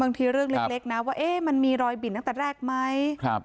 เรื่องเล็กนะว่าเอ๊ะมันมีรอยบิ่นตั้งแต่แรกไหม